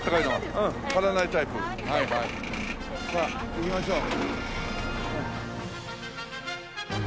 さあ行きましょう。